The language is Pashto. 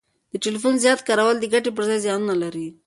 د ټلیفون زیات کارول د ګټي پر ځای زیانونه لري